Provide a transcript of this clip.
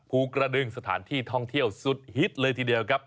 ภูกระดึงสถานที่ท่องเที่ยวสุดฮิตเลยทีเดียวครับ